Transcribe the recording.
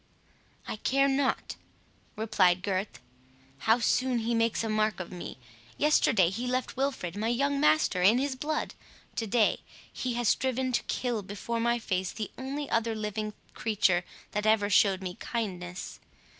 "I care not," replied Gurth, "how soon he makes a mark of me. Yesterday he left Wilfred, my young master, in his blood. To day he has striven to kill before my face the only other living creature that ever showed me kindness.